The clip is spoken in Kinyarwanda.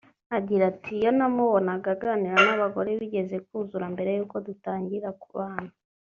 Agira ati “Iyo namubonaga aganira n’abagore bigeze kuzura mbere y’uko dutangira kubana